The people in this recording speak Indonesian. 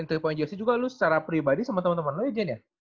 ya selain tiga point jersey juga lu secara pribadi sama temen temen lu aja ya nia